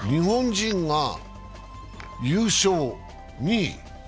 日本人が優勝、２位。